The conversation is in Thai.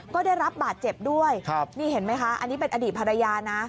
ก็ได้รับบาดเจ็บด้วยนี่เห็นไหมคะอันนี้เป็นอดีตภรรยานะ